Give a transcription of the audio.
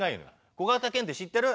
小型犬って知ってる？